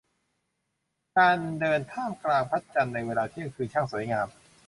การเดินท่ามกลางพระจันทร์ในเวลาเที่ยงคืนช่างสวยงาม